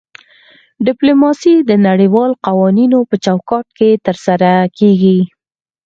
ډیپلوماسي د نړیوالو قوانینو په چوکاټ کې ترسره کیږي